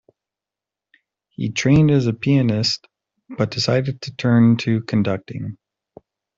He trained as a pianist, but decided to turn to conducting.